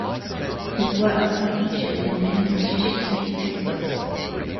His works are featured in many British history textbooks.